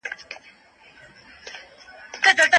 غوړ خواړه وزن زیاتوي.